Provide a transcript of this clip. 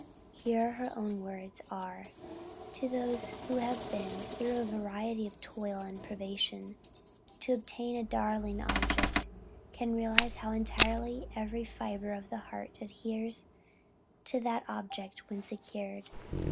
Her own words are: "Those only who have been through a variety of toil and privation to obtain a darling object, can realize how entirely every fibre of the heart adheres to that object when secured.